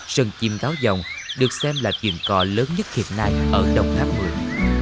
sân chim táo dòng được xem là truyền cò lớn nhất thiệt nai ở đồng tháp mười